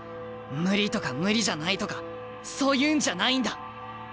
無理とか無理じゃないとかそういうんじゃないんだ。